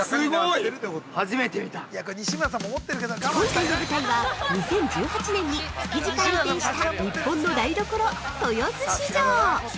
初めて見た！◆今回の舞台は、２０１８年に築地から移転した日本の台所「豊洲市場」！